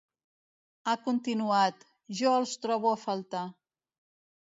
Ha continuat: Jo els trobo a faltar.